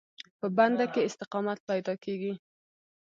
په بنده کې استقامت پیدا کېږي.